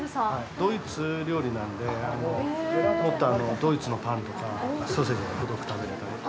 ドイツ料理なんで、もっとドイツのパンとかソーセージが食べられたり。